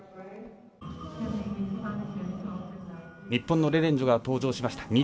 日本のレジェンドが登場しました。